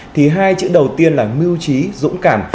thì hai chữ đầu tiên là mưu trí dũng cảm